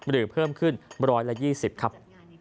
หรือเพิ่มขึ้น๑๒๐ครับ